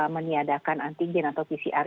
meniadakan anti gin atau pcr